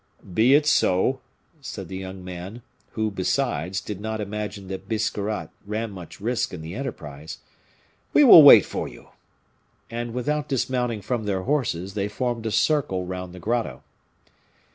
"Be it so," said the young man, who, besides, did not imagine that Biscarrat ran much risk in the enterprise, "we will wait for you." And without dismounting from their horses, they formed a circle round the grotto.